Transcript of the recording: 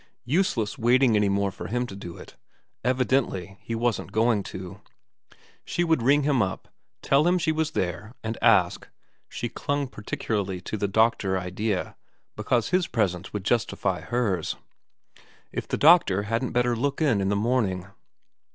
Useless waiting any more for him to do it ; evidently he wasn't going to. She would ring him up, tell him she was there, and ask she clung particularly to the doctor idea, because his presence would justify hers if the doctor hadn't better look in in the morning.